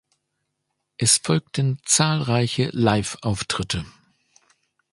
Es folgten zahlreiche Live-Auftritte.